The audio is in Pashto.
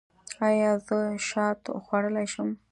ایا زه شات خوړلی شم؟